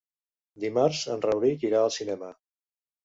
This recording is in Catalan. Dimarts en Rauric irà al cinema.